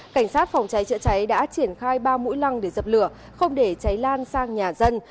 cảnh sát phòng cháy chữa cháy đã triển khai ba mũi lăng để dập lửa không để cháy lan sang nhà dân